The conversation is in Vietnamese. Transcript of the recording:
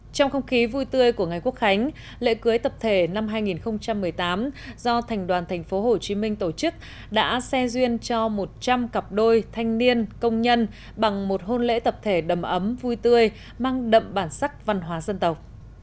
trong không khí vui tươi của ngày quốc khánh lễ cưới tập thể năm hai nghìn một mươi tám do thành đoàn tp hcm tổ chức đã xe duyên cho một trăm linh cặp đôi thanh niên công nhân bằng một hôn lễ tập thể đầm ấm vui tươi mang đậm bản sắc văn hóa dân tộc